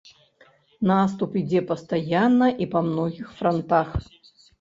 Наступ ідзе пастаянна і па многіх франтах.